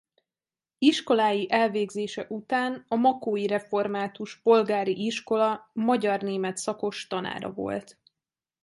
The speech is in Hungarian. Iskolái elvégzése után a makói református polgári iskola magyar-német szakos tanára volt.